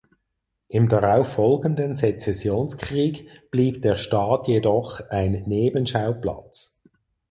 Im darauf folgenden Sezessionskrieg blieb der Staat jedoch ein Nebenschauplatz.